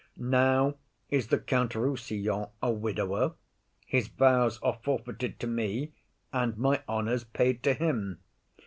Now is the Count Rossillon a widower; his vows are forfeited to me, and my honour's paid to him.